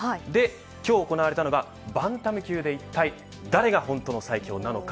今日行われたのが、バンタム級でいったい誰が本当の最強なのか。